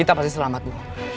kita pasti selamat bu